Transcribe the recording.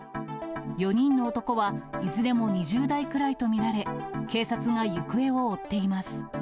４人の男は、いずれも２０代くらいと見られ、警察が行方を追っています。